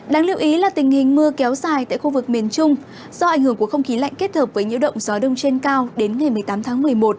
đáng lưu ý là tình hình mưa kéo dài tại khu vực miền trung do ảnh hưởng của không khí lạnh kết hợp với nhiễu động gió đông trên cao đến ngày một mươi tám tháng một mươi một